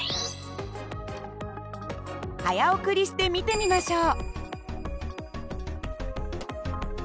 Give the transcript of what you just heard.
早送りして見てみましょう。